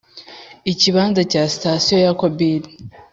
Ikibanza cya sitasiyo ya Kobili